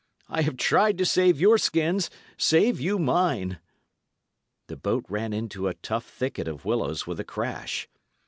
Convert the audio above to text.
"I have tried to save your skins, save you mine!" The boat ran into a tough thicket of willows with a crash.